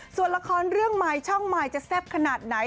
ส่วนละครเรื่องใหม่ช่องมายจะแซ่บขนาดไหน